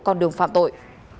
con đường phạm tội